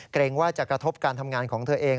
เกรงว่าจะกระทบการทำงานของเธอเอง